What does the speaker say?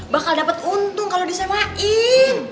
bakal dapat untung kalau disewain